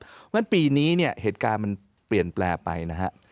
เพราะฉะนั้นปีนี้เนี่ยเหตุการณ์มันเปลี่ยนแปลงไปนะฮะ